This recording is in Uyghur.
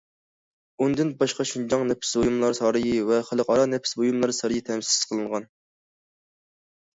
ئۇندىن باشقا شىنجاڭ نەپىس بۇيۇملار سارىيى ۋە خەلقئارا نەپىس بۇيۇملار سارىيى تەسىس قىلىنغان.